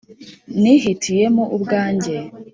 ntihitiyemo ubwanjye